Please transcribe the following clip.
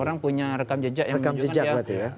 orang punya rekam jejak yang menunjukkan ya